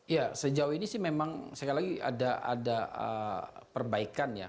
ya sejauh ini sih memang sekali lagi ada perbaikan ya